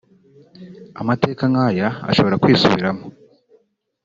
Amateka nk’aya ashobora kwisubiramo